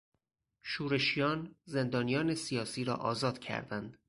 شورشیان، زندانیان سیاسی را آزاد کردند.